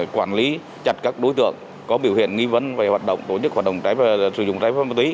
quản lý chặt các đối tượng có biểu hiện nghi vấn về hoạt động tổ chức hoạt động sử dụng trái phép mà tuý